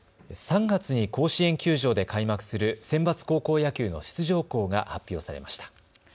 ３月に甲子園球場で開幕するセンバツ高校野球の出場校が発表されました。